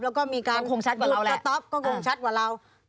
แล้วก็มีการกระต๊อปก็คงชัดกว่าเราก็คงชัดกว่าเราแหละ